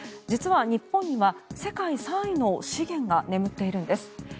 実は日本には世界３位の資源が眠っているんです。